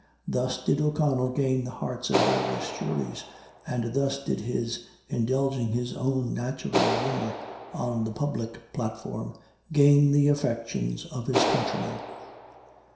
Thus did O'Connell gain the hearts of Irish juries; and thus did he, indulging his own natural humor, on the public platform, gain the affections of his countrymen.